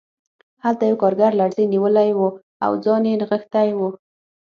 هلته یو کارګر لړزې نیولی و او ځان یې نغښتی و